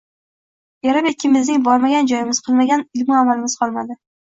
Erim ikkimizning bormagan joyimiz, qilmagan ilmu amalimiz qolmadi